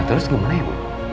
terus gimana ya ibu